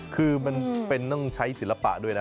คือมันเป็นต้องใช้ศิลปะด้วยนะ